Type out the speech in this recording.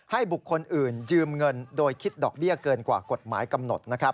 ให้บุคคลอื่นยืมเงินโดยคิดดอกเบี้ยเกินกว่ากฎหมายกำหนดนะครับ